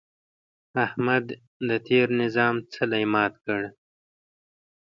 احمد د تېر نظام څلی مات کړ.